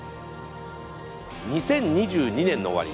２０２２年の終わり